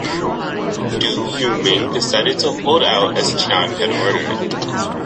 Du Yuming decided to hold out as Chiang had ordered.